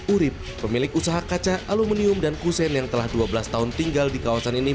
urib pemilik usaha kaca aluminium dan kusen yang telah dua belas tahun tinggal di kawasan ini